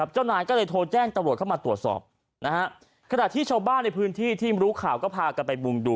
เจ้านายก็เลยโทรแจ้งตำรวจเข้ามาตรวจสอบนะฮะขณะที่ชาวบ้านในพื้นที่ที่รู้ข่าวก็พากันไปมุงดู